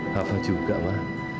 papa juga ma